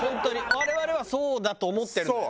我々はそうだと思ってるのよ。